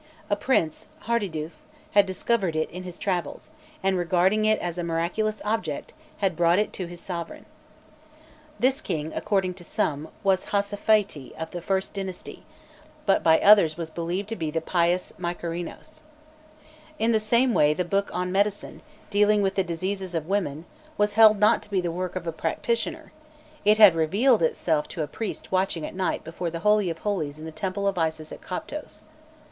A prince, Hardiduf, had discovered it in his travels, and regarding it as a miraculous object, had brought it to his sovereign. This king, according to some, was Hûsaphaîti of the first dynasty, but by others was believed to be the pious Mykerinos. In the same way, the book on medicine, dealing with the diseases of women, was held not to be the work of a practitioner; it had revealed itself to a priest watching at night before the Holy of Holies in the temple of Isis at Coptos.